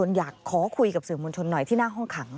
อยากขอคุยกับสื่อมวลชนหน่อยที่หน้าห้องขัง